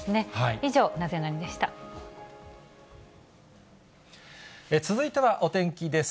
以上、続いてはお天気です。